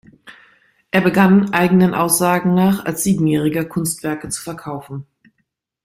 Er begann eigenen Aussagen nach als siebenjähriger Kunstwerke zu verkaufen.